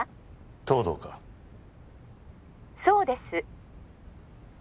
東堂か☎そうです